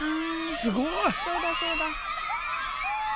すごい。